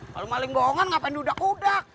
kalau maling bohongan ngapain didak udak